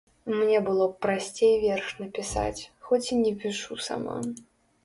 Мне было б прасцей верш напісаць, хоць і не пішу сама.